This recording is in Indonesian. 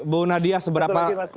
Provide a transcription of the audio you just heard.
bu nadia seberapa